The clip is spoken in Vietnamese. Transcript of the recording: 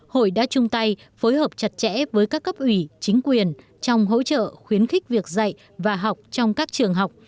hội đã chung tay phối hợp chặt chẽ với các cấp ủy chính quyền trong hỗ trợ khuyến khích việc dạy và học trong các trường học